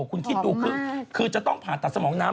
คุณคิดดูคือจะต้องผ่าตัดสมองน้ำ